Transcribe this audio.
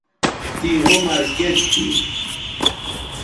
تیں عمر کیئت تھی